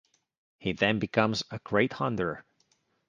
He then becomes a great hunter.